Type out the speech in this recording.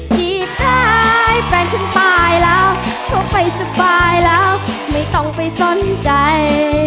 จีบท้ายแฟนฉันตายแล้วเขาไปสบายแล้วไม่ต้องไปสนใจ